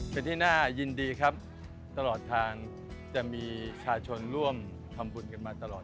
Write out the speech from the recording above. เป็นที่น่ายินดีครับตลอดทางจะมีชาชนร่วมทำบุญกันมาตลอด